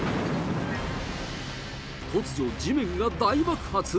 突如、地面が大爆発？